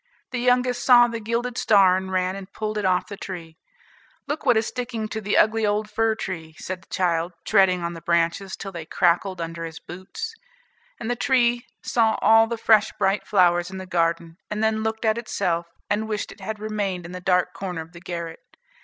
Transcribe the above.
The youngest saw the gilded star, and ran and pulled it off the tree. "Look what is sticking to the ugly old fir tree," said the child, treading on the branches till they crackled under his boots. And the tree saw all the fresh bright flowers in the garden, and then looked at itself, and wished it had remained in the dark corner of the garret.